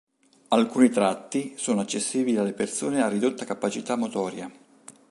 Alcuni tratti sono accessibili alle persone a ridotta capacità motoria.